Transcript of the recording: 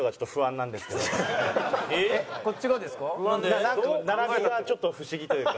なんか並びがちょっと不思議というか。